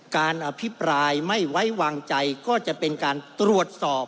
การอภิปรายไม่ไว้วางใจก็จะเป็นการตรวจสอบ